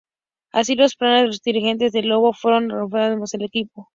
Así los planes de los dirigentes del "Lobo" fueron de reforzar más el equipo.